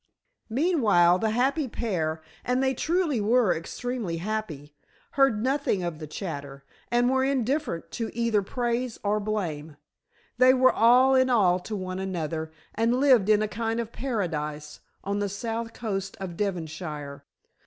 Meanwhile the happy pair and they truly were extremely happy heard nothing of the chatter, and were indifferent to either praise or blame. They were all in all to one another, and lived in a kind of Paradise, on the south coast of Devonshire.